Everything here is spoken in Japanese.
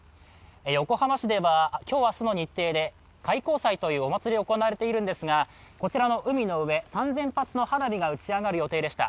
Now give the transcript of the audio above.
横浜市では今日、明日の日程で開港祭というお祭りが行われているんですが、こちらの海の上、３０００発の花火が打ち上がる予定でした。